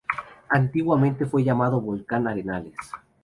Antiguamente fue llamado volcán Arenales.